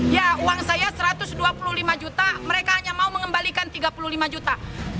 ya uang saya satu ratus dua puluh lima juta mereka hanya mau mengembalikan tiga puluh lima juta